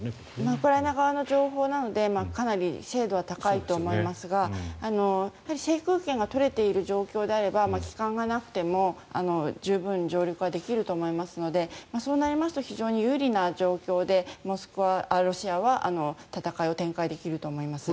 ウクライナ側の情報なのでかなり精度は高いと思いますが制空権が取れている状況であれば旗艦がなくても十分、上陸はできると思いますのでそうなりますと非常に有利な状況で、ロシアは戦いを展開できると思います。